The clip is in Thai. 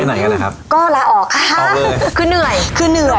ไปไหนกันนะครับก็ละออกเอาเลยคือเหนื่อยคือเหนื่อย